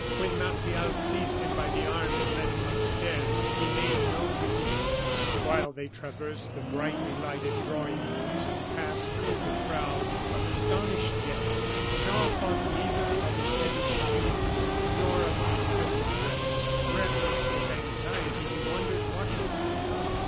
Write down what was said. When Martial seized him by the arm and led him upstairs, he made no resistance. While they traversed the brightly lighted drawing rooms and passed through the crowd of astonished guests, Jean thought neither of his heavy shoes nor of his peasant dress. Breathless with anxiety, he wondered what was to come.